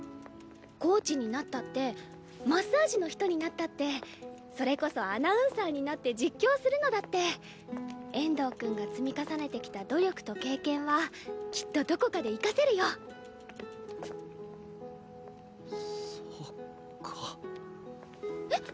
コーチになったってマッサージの人になったってそれこそアナウンサーになって実況するのだって遠藤くんが積み重ねてきた努力と経験はきっとどこかで生かせるよそうかえっ？